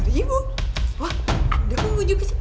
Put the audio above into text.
sepuluh ribu wah anda pun muncul ke sepuluh ribu